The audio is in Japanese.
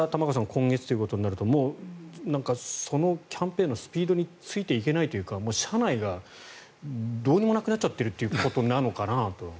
今月ということになるとそのキャンペーンのスピードについていけないというか社内がどうにもなくなっちゃってるということなのかなと。